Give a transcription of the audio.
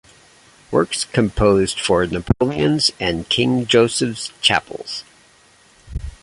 Works composed for Napoleon's and King Joseph's Chapels.